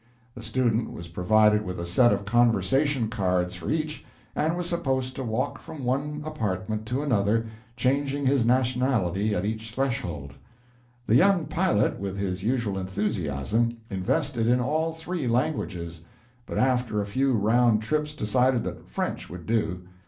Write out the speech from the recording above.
The student was provided with a set of conversation cards for each, and was supposed to walk from one apartment to another, changing his nationality at each threshold. The young pilot, with his usual enthusiasm, invested in all three languages, but after a few round trips decided that French would do.